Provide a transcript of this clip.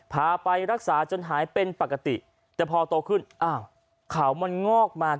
พาไปรักษาจนหายเป็นปกติแต่พอโตขึ้นอ้าวเขามันงอกมา